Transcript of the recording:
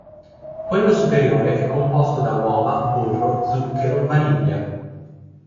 Quello superiore è composto da uova, burro, zucchero, vaniglia.